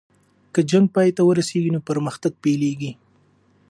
که جنګ پای ته ورسیږي نو پرمختګ پیلیږي.